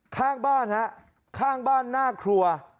ข้างบ้านฮะข้างบ้านหน้าครัว